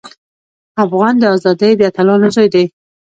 افغان د ازادۍ د اتلانو زوی دی.